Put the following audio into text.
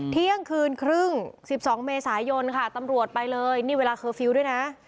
เที่ยงคืนครึ่ง๑๒เมษายนค่ะตำรวจไปเลยนี่เวลาเคอร์ฟิลล์ด้วยนะ